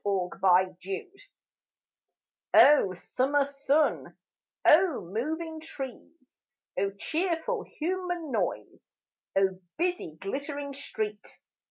O Summer sun, O moving trees! O cheerful human noise, O busy glittering street!